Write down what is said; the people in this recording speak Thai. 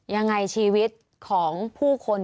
ยังไงชีวิตของผู้คน